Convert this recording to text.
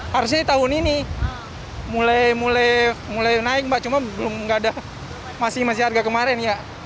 harusnya di tahun ini mulai naik cuma masih harga kemarin